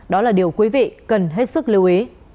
đó là điều quý vị cần hết sức lưu ý